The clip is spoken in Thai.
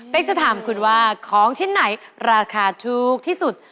เป็นจะถามคุณว่าของชิ้นไหนราคาถูกที่สุด